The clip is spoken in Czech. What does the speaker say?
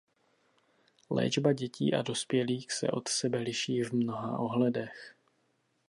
Léčba dětí a dospělých se od sebe liší v mnoha ohledech.